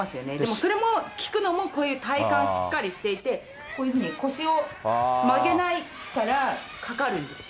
それも効くのもこういう体幹、しっかりしていて、こういうふうに腰を曲げないから、かかるんですよ。